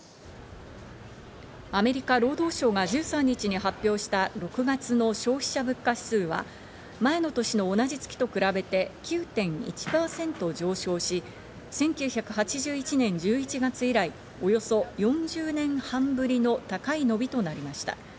アメリカ労働省が１３日に発表した６月の消費者物価指数は、前の年の同じ月と比べて９．１％上昇し、１９８１年１１月以来、およそ４０年半ぶりの高い伸びとなりました。